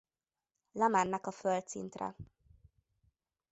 Lemennek a földszintre.